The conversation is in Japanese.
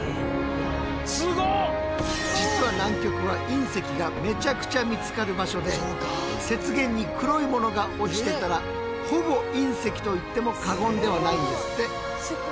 実は南極は隕石がめちゃくちゃ見つかる場所で雪原に黒いものが落ちてたらほぼ隕石と言っても過言ではないんですって。